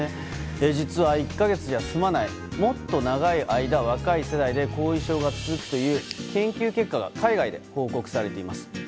実は１か月じゃ済まないもっと長い間、若い世代で後遺症が続くという研究結果が海外で報告されています。